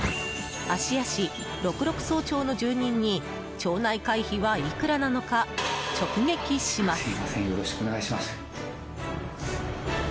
芦屋市六麓荘町の住人に町内会費はいくらなのか直撃します。